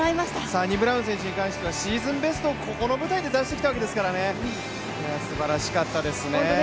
サニブラウン選手に関しては、シーズンベストをここの舞台で出してきたわけですからすばらしかったですね。